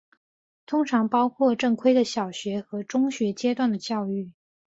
通常包括正规的小学和中学阶段的教育。